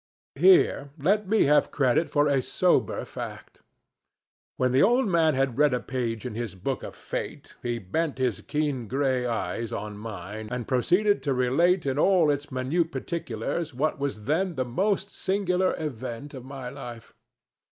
Here let me have credit for a sober fact. When the old man had read a page in his book of fate, he bent his keen gray eyes on mine and proceeded to relate in all its minute particulars what was then the most singular event of my life.